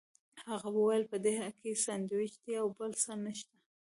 هغه وویل په دې کې ساندوېچ دي او بل څه نشته.